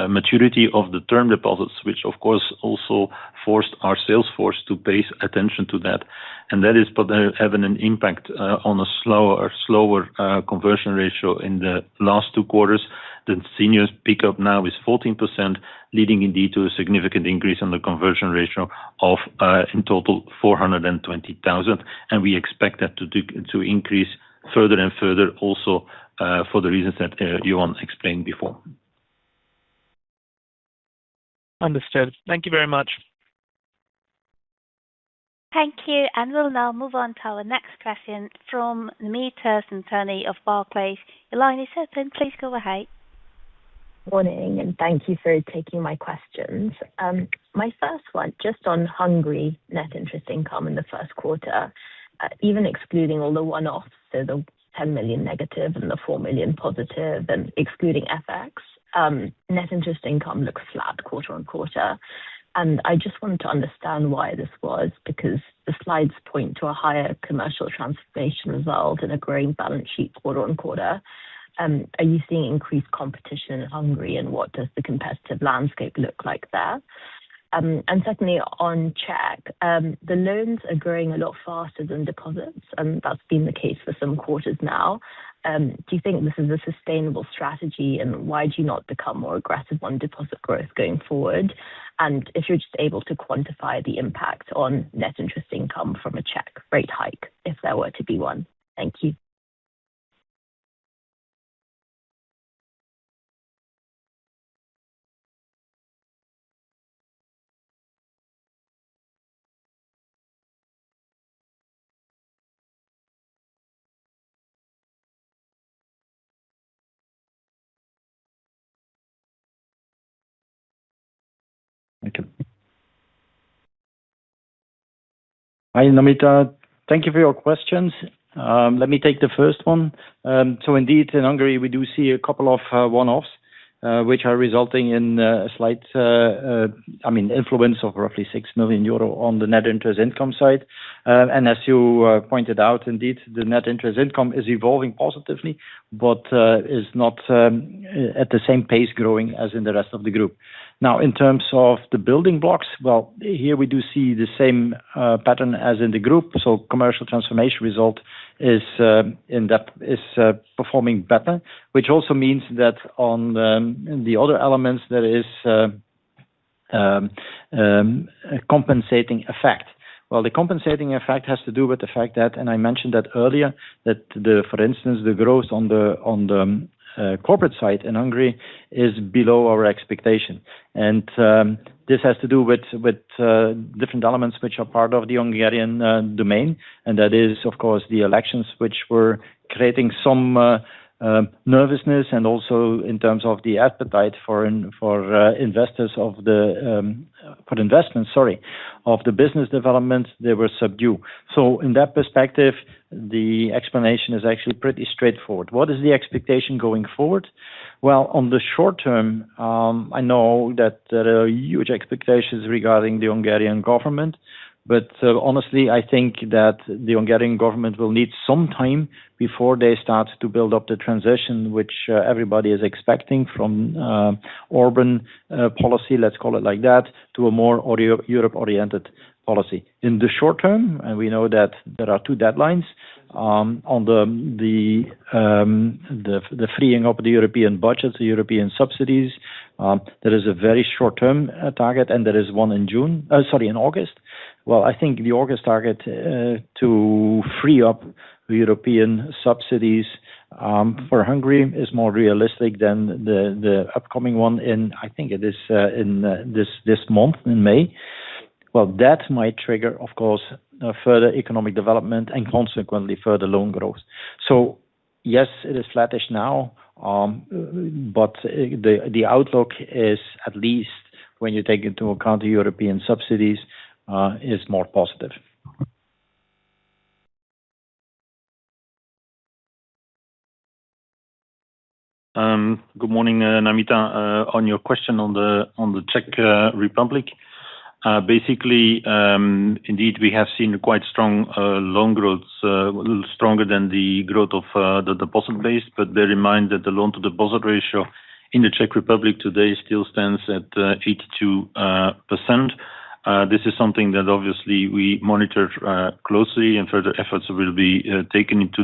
maturity of the term deposits, which of course also forced our sales force to pay attention to that. That is part of having an impact on a slower conversion ratio in the last two quarters. The sales pickup now is 14%, leading indeed to a significant increase on the conversion ratio of in total 420,000. We expect that to increase further and further also for the reasons that Johan explained before. Understood. Thank you very much. Thank you. We'll now move on to our next question from Namita Samtani of Barclays. The line is open. Please go ahead. Good morning and thank you for taking my questions. My first one just on Hungary, Net Interest Income in the first quarter. Even excluding a low one-off -10 million and +4 million excluding FX. Net Interest Income looks flat quarter-on-quarter. I just want to understand why this was. Because the slides point to a higher commercial transformation and all to a balance sheets quarter-on-quarter. And you see an increase competition on Hungary and why does the competitive landscape look like that. Certainly on Czech, the loans are growing a lot faster than deposits, and that's been the case for some quarters now. Do you think this is a sustainable strategy, and why do you not become more aggressive on deposit growth going forward? If you're just able to quantify the impact on net interest income from a Czech rate hike, if there were to be one? Thank you. Thank you. Hi, Namita. Thank you for your questions. Let me take the first one. Indeed, in Hungary, we do see a couple of one-offs, which are resulting in a slight, I mean influence of roughly 6 million euro on the Net Interest Income side. As you pointed out, indeed, the Net Interest Income is evolving positively, but is not at the same pace growing as in the rest of the Group. In terms of the building blocks, well, here we do see the same pattern as in the Group. Commercial transformation result is performing better, which also means that on the other elements there is a compensating effect. Well, the compensating effect has to do with the fact that, and I mentioned that earlier, that for instance, the growth on the corporate side in Hungary is below our expectation. This has to do with different elements which are part of the Hungarian domain, and that is, of course, the elections which were creating some nervousness and also in terms of the appetite for investment, sorry, of the business development, they were subdued. In that perspective, the explanation is actually pretty straightforward. What is the expectation going forward? Well, on the short term, I know that there are huge expectations regarding the Hungarian government. Honestly, I think that the Hungarian government will need some time before they start to build up the transition, which everybody is expecting from Orbán policy, let's call it like that, to a more Europe-oriented policy. In the short term, we know that there are two deadlines on the freeing of the European budget, the European subsidies. There is a very short-term target, and there is one in August. I think the August target to free up the European subsidies for Hungary is more realistic than the upcoming one in, I think it is, in this month, in May. That might trigger, of course, further economic development and consequently further loan growth. Yes, it is flattish now, the outlook is, at least when you take into account the European subsidies, is more positive. Good morning, Namita. On your question on the Czech Republic, basically, indeed, we have seen quite strong loan growth, a little stronger than the growth of the deposit base, bear in mind that the loan to deposit ratio in the Czech Republic today still stands at 82%. This is something that obviously we monitor closely and further efforts will be taken into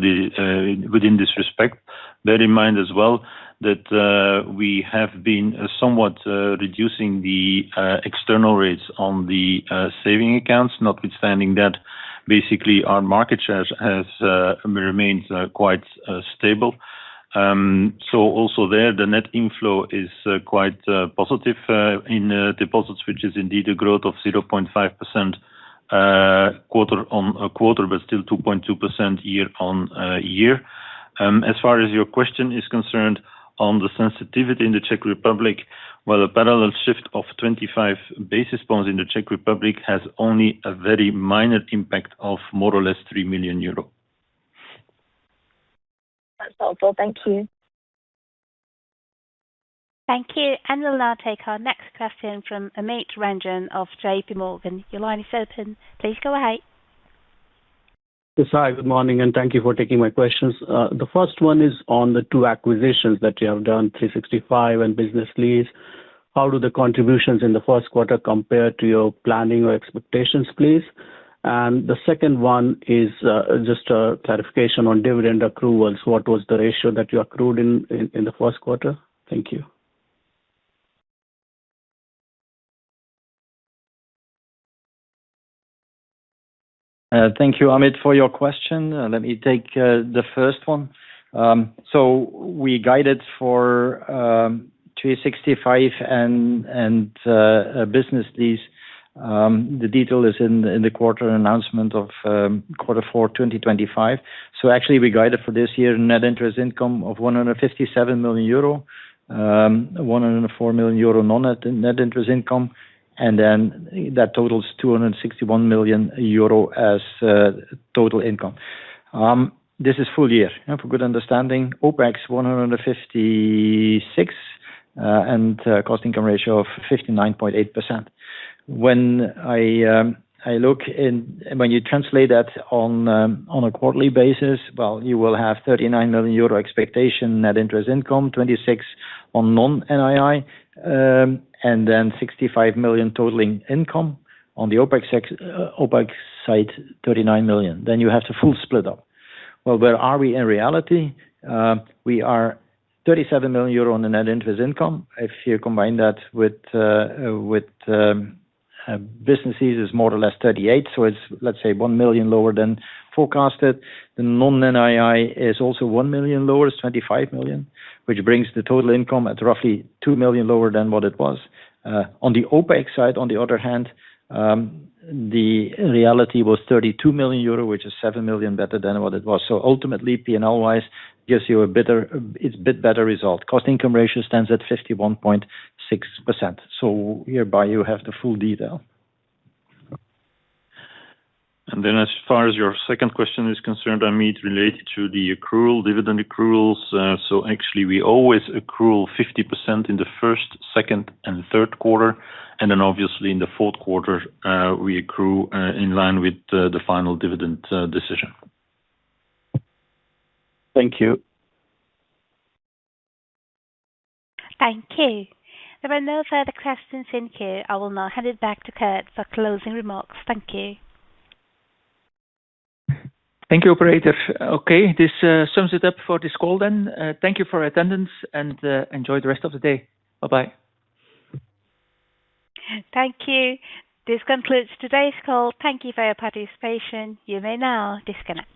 within this respect. Bear in mind as well that we have been somewhat reducing the external rates on the saving accounts, notwithstanding that basically our market share has remains quite stable. Also there, the net inflow is quite positive in deposits, which is indeed a growth of 0.5% quarter-on-quarter, but still 2.2% year-on-year. As far as your question is concerned on the sensitivity in the Czech Republic, well, a parallel shift of 25 basis points in the Czech Republic has only a very minor impact of more or less 3 million euro. That's helpful. Thank you. Thank you. We'll now take our next question from Amit Ranjan of JPMorgan. Your line is open. Please go ahead. Yes, hi. Good morning. Thank you for taking my questions. The first one is on the two acquisitions that you have done, 365.bank and Business Lease. How do the contributions in the first quarter compare to your planning or expectations, please? The second one is just a clarification on dividend accruals. What was the ratio that you accrued in the first quarter? Thank you. Thank you, Amit, for your question. Let me take the first one. We guided for 365.bank and Business Lease. The detail is in the quarter announcement of quarter four 2025. Actually, we guided for this year Net Interest Income of 157 million euro, 104 million euro non-Net Interest Income, that totals 261 million euro as total income. This is full year. For good understanding, OpEx 156, and cost income ratio of 59.8%. When you translate that on a quarterly basis, you will have 39 million euro expectation net interest income, 26 million on non-NII, 65 million totaling income. On the OpEx side, 39 million. You have the full split up. Where are we in reality? We are 37 million euro on the Net Interest Income. If you combine that with businesses, it's more or less 38 million, so it's, let's say, 1 million lower than forecasted. The non-NII is also 1 million lower, it's 25 million, which brings the total income at roughly 2 million lower than what it was. On the OpEx side, on the other hand, the reality was 32 million euro, which is 7 million better than what it was. Ultimately, P&L wise gives you a bit better result. Cost income ratio stands at 51.6%. Hereby you have the full detail. As far as your second question is concerned, Amit, related to the accrual, dividend accruals. Actually we always accrue 50% in the first, second, and third quarter, and then obviously in the fourth quarter, we accrue in line with the final dividend decision. Thank you. Thank you. There are no further questions in queue. I will now hand it back to Kurt for closing remarks. Thank you. Thank you, Operator. Okay, this sums it up for this call then. Thank you for your attendance and enjoy the rest of the day. Bye-bye. Thank you. This concludes today's call. Thank you for your participation. You may now disconnect.